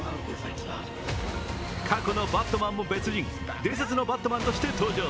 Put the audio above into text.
過去のバットマンも別人、伝説のバットマンとして登場。